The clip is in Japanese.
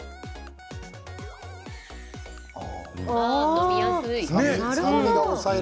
飲みやすい。